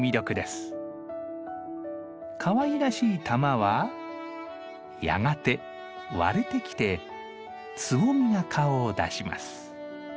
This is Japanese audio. かわいらしい玉はやがて割れてきてつぼみが顔を出します。